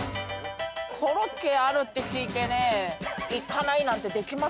コロッケあるって聞いてね行かないなんてできますか？